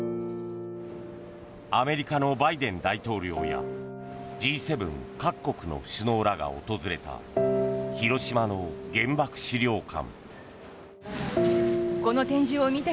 アメリカのバイデン大統領やＧ７各国の首脳らが訪れた広島の原爆資料館。